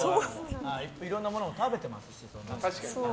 いろんなもの、食べてますし。